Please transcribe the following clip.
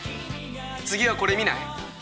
次はこれ見ない？